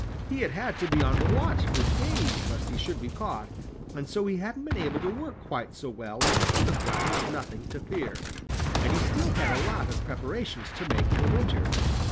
He had had to be on the watch for days lest he should be caught, and so he hadn't been able to work quite so well as he could have done with nothing to fear, and he still had a lot of preparations to make for winter.